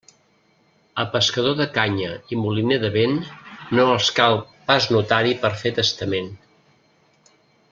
A pescador de canya i moliner de vent no els cal pas notari per fer testament.